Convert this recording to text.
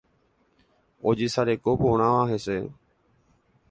ojesarekoporãva hese